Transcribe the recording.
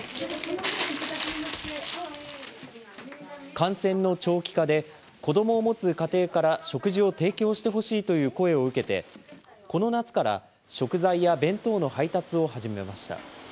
感染の長期化で、子どもを持つ家庭から食事を提供してほしいという声を受けて、この夏から、食材や弁当の配達を始めました。